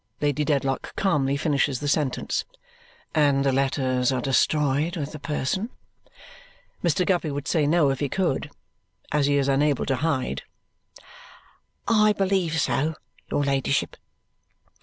Lady Dedlock calmly finishes the sentence. "And the letters are destroyed with the person?" Mr. Guppy would say no if he could as he is unable to hide. "I believe so, your ladyship."